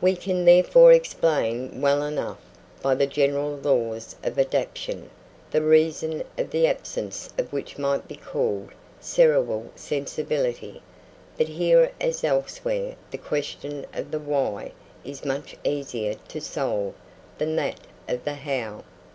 We can therefore explain well enough, by the general laws of adaptation, the reason of the absence of what might be called "cerebral sensibility," but, here as elsewhere, the question of the "Why" is much easier to solve than that of the "How."